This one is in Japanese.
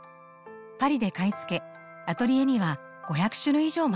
パリで買い付けアトリエには５００種類以上もあるそうです。